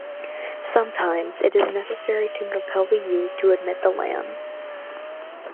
Sometimes it is necessary to compel the ewes to admit the lambs.